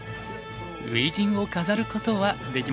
初陣を飾ることはできませんでした。